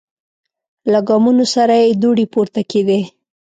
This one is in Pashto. له ګامونو سره یې دوړې پورته کیدې.